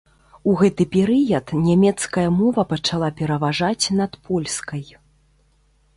У гэты перыяд нямецкая мова пачала пераважаць над польскай.